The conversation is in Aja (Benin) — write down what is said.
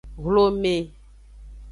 Hlome.